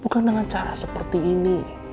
bukan dengan cara seperti ini